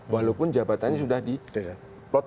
walaupun jabatannya sudah di plot